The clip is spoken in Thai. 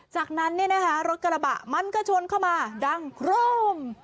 จากนั้นรถกระบะมันก็ชนเข้ามาดังโร่ม